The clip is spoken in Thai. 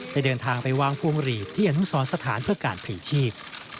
ได้เดินทางไปวางพวงหลีดที่อนุสรสถานเพื่อการผลีชีพ